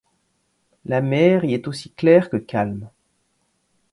La mer y est aussi claire que calme.